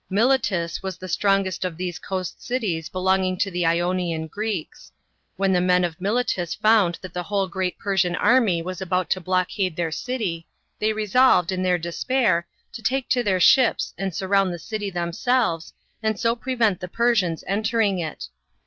Miletus was the strongest of these coast cities belonging to the Ionian Greeks. When the men of Miletus found that the whole great Persian army was about to blockade their city, they resolved, in their despair, to take to their ships 'and surround the city themselves, and so prevent the Persians entering it.